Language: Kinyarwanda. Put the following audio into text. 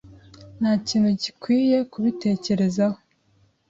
Ntakintu gikwiye kubitekerezaho.